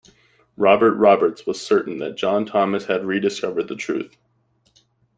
Robert Roberts was certain that John Thomas had rediscovered the truth.